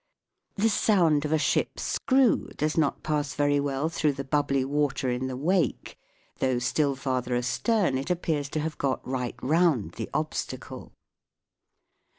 The sound of a ship's screw does not pass very well through the bubbly water in the wake, though still farther astern it appears to have got right round the obstacle.